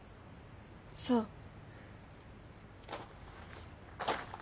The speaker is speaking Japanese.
そう